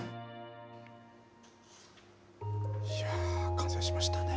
完成しましたね。